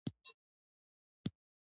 امیر کروړ د امیر پولاد سوري زوی وو.